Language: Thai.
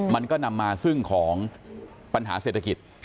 มันก็นำมาซึ่งของปัญหาเศรษฐกิจ